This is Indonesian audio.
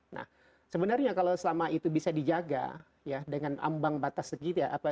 nah sebenarnya kalau selama itu bisa dijaga dengan ambang batas segitu ya